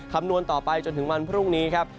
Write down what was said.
คำนวณต่อไปจนถึงวันพรุ่งนี้ครับ